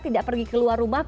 tidak pergi keluar rumah